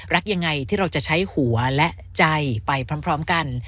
รักยังไงที่เราจะใช้หัวและใจไปพร้อมกัน